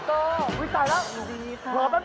ทุกครั้งโธงพล้ายเวิร์ด